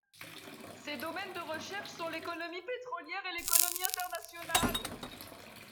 Ses domaines de recherches sont l'économie pétrolière et l'économie internationale.